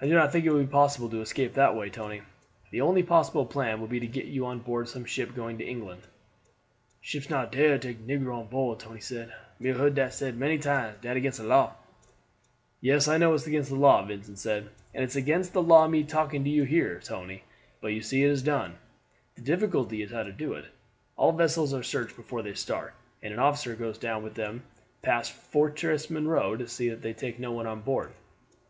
"No, I do not think it will be possible to escape that way, Tony. The only possible plan would be to get you on board some ship going to England." "Ships not dare take negro on board," Tony said. "Me heard dat said many times dat against de law." "Yes, I know it's against the law," Vincent said, "and it's against the law my talking to you here, Tony; but you see it's done. The difficulty is how to do it. All vessels are searched before they start, and an officer goes down with them past Fortress Monroe to see that they take no one on board.